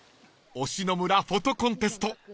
［忍野村フォトコンテスト